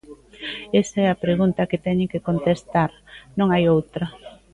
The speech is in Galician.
Esa é a pregunta que teñen que contestar, non hai outra.